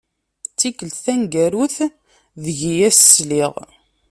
D tikelt taneggarut deg i as-sliɣ.